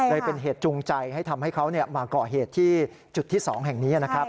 เลยเป็นเหตุจูงใจให้ทำให้เขามาก่อเหตุที่จุดที่๒แห่งนี้นะครับ